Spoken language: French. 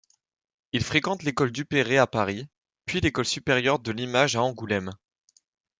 Il fréquente l'École Dupérré à Paris, puis l'école supérieure de l'image à Angoulême.